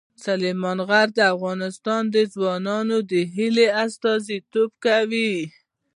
سلیمان غر د افغان ځوانانو د هیلو استازیتوب کوي.